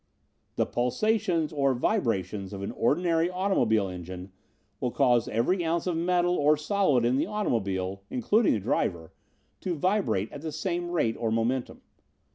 "The pulsations or vibrations of an ordinary automobile engine will cause every ounce of metal, or solid, in the automobile including the driver to vibrate at the same rate or momentum.